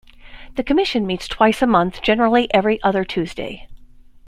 The commission meets twice a month- generally every other Tuesday.